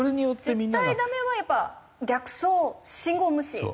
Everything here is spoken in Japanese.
「絶対ダメ」はやっぱ逆走信号無視。